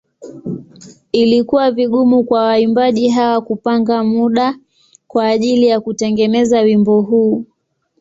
Ilikuwa vigumu kwa waimbaji hawa kupanga muda kwa ajili ya kutengeneza wimbo huu.